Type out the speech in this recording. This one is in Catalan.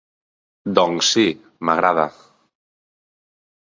Doncs sí, m'agrada!